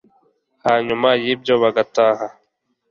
hanyuma y'ibyo bagataha